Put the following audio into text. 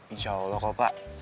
insya allah kok pak